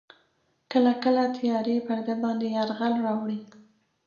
کله کله تیارې پر ده باندې یرغل راوړي.